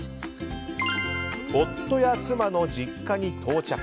夫や妻の実家に到着。